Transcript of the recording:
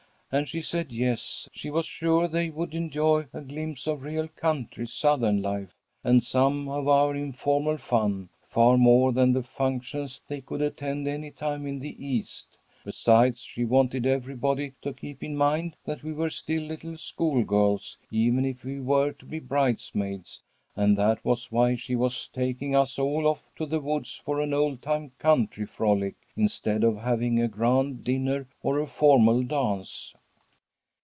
"And she said yes, she was sure they would enjoy a glimpse of real country Southern life, and some of our informal fun, far more than the functions they could attend any time in the East. Besides she wanted everybody to keep in mind that we were still little schoolgirls, even if we were to be bridesmaids, and that was why she was taking us all off to the woods for an old time country frolic, instead of having a grand dinner or a formal dance.